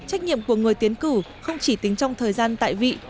thậm chí trách nhiệm của người tiến cử không chỉ tính trong thời gian tại vị